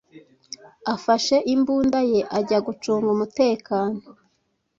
afashe imbunda ye ajya gucunga umuteano